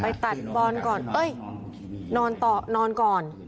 ไปตัดบอลก่อนเอ้ยนอนก่อน